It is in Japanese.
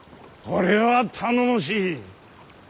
これは頼もしい。